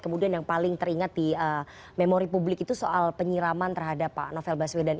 kemudian yang paling teringat di memori publik itu soal penyiraman terhadap pak novel baswedan